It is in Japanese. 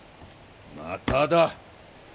まただ。